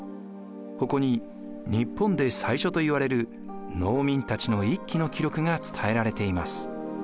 ここに日本で最初といわれる農民たちの一揆の記録が伝えられています。